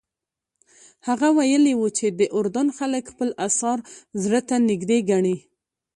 هغه ویلي وو چې د اردن خلک خپل اثار زړه ته نږدې ګڼي.